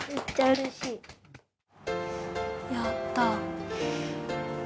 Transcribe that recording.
やったあ。